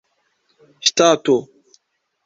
ŝtato